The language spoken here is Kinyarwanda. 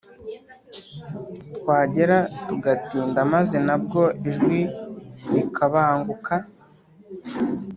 twagera tugatinda maze nabwo ijwi rikabanguka.